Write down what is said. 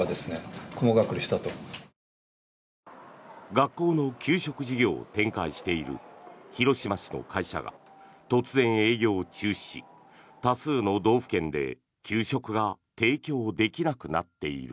学校の給食事業を展開している広島市の会社が突然、営業を中止し多数の道府県で給食が提供できなくなっている。